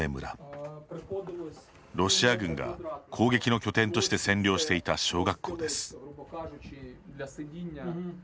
ロシア軍が攻撃の拠点として占領していた小学校です。